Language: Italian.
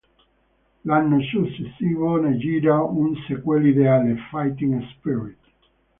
L'anno successivo ne gira un sequel ideale, "Fighting Spirit".